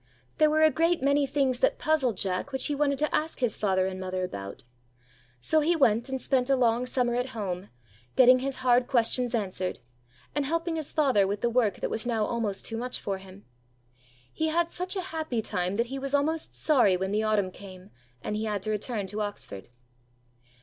There were a great many things that puzzled Jack which he wanted to ask his father and mother about. So he went and spent a long summer at home, getting his hard questions answered, and helping his father with the work that was now almost too much for him. He had such a happy time that he was almost sorry when the autumn came and he had to return to Oxford.